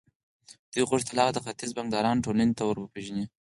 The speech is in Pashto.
دوی غوښتل هغه د ختيځ د بانکدارانو ټولنې ته ور وپېژني.